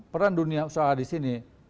peran dunia usaha disini